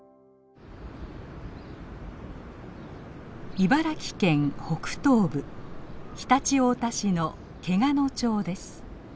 茨城県北東部常陸太田市の天下野町です。